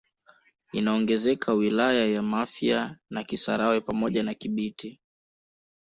Inaongezeka wilaya ya Mafia na Kisarawe pamoja na Kibiti